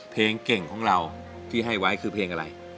เพลงเก่งของเราที่ให้ไว้คือเพลงอะไร